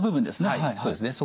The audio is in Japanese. はいそうですね。